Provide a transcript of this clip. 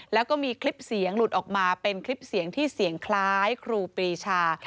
แล้วก็มีคลิปเสียงหลุดออกมาเป็นคลิปเสียงที่เสียงคล้ายครูปรีชา